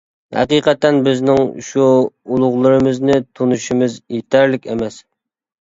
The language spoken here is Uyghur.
ھەقىقەتەن بىزنىڭ شۇ ئۇلۇغلىرىمىزنى تونۇشىمىز يېتەرلىك ئەمەس.